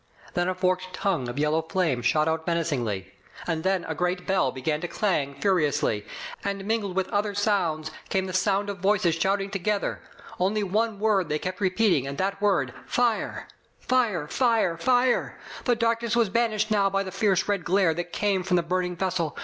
Then a forked tongue of yellow flame shot out menacingly. And then a great bell began to clang furiously. And mingled with other sounds came the sound of voices shouting Digitized by Google H^ THE Pate of fenelLA, together. Only one word they kept repeating, and that word *Tire/* Fire! fire! fire! The darkness was banished now by the fierce red glare that came from the burning vessel.